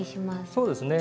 そうですね。